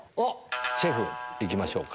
シェフ行きましょうか。